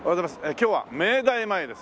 今日は明大前です。